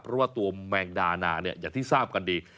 เพราะว่าตัวแมงดานาเนี่ยอย่างที่ทราบกันดี